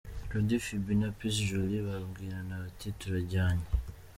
Jody Phibi na Peace Jolis babwirana bati "Turajyanye".